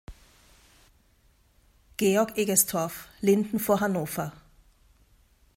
Georg Egestorff, Linden vor Hannover".